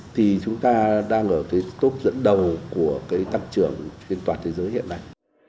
thì chúng ta đang ở tốt dẫn đầu của tăng trưởng trên toàn thế giới hiện nay